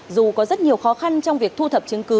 dù có rất nhiều khó khăn trong việc thu thập chứng cứ